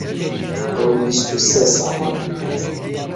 ئەو بیست و سێ ساڵە.